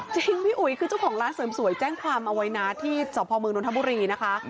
จริงพี่อุ๋ยคือเจ้าของร้านเสริมสวยแจ้งความอวัยนาทที่เศร้าพ่อเมืองนทบุรีนะคะ